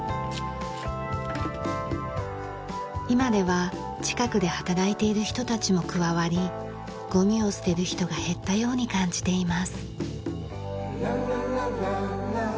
今では近くで働いている人たちも加わりゴミを捨てる人が減ったように感じています。